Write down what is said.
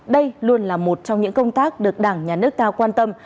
đây luôn là một trong những công tác được đảng nhà nước ta quan tâm